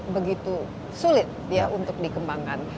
begitu sulit ya untuk dikembangkan